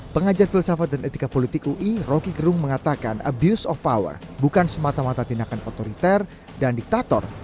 pengajar filsafat dan etika politik ui roky gerung mengatakan abuse of power bukan semata mata tindakan otoriter dan diktator